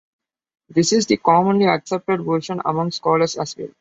This is the commonly accepted version among scholars as well.